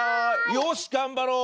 よしがんばろう！